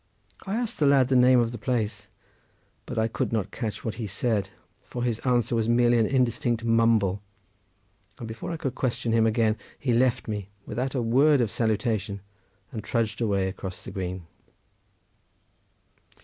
I asked the lad the name of the place, but I could not catch what he said, for his answer was merely an indistinct mumble, and before I could question him again he left me, without a word of salutation, and trudged away across the green.